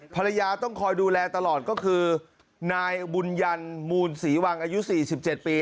ภรรยาต้องคอยดูแลตลอดก็คือนายบุญยันมูลศรีวังอายุ๔๗ปี